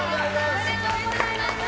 おめでとうございます！